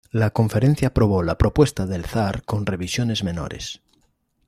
La conferencia aprobó la propuesta del Zar con revisiones menores.